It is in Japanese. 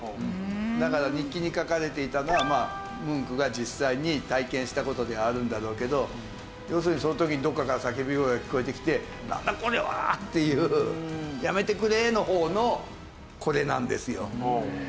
だから日記に書かれていたのはムンクが実際に体験した事ではあるんだろうけど要するにその時にどこかから叫び声が聞こえてきて「なんだこれは」っていう「やめてくれ」の方のこれなんですよ。